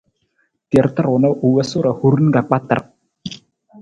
Terata ruu na, u wosu ra hurin ka kpatar.